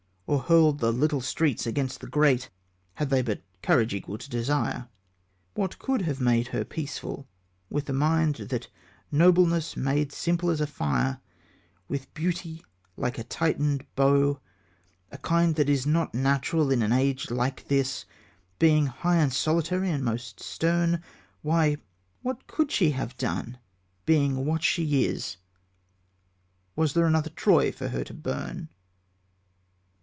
Or hurled the little streets against the great, Had they but courage equal to desire? What could have made her peaceful with a mind That nobleness made simple as a fire, With beauty like a tightened bow, a kind That is not natural in an age like this, Being high and solitary, and most stern? Why, what could she have done, being what she is? Was there another Troy for her to burn?